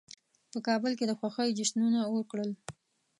په کابل کې د خوښۍ جشنونه وکړل.